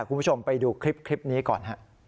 คุณผู้ชมไปดูคลิปนี้ก่อนฮะ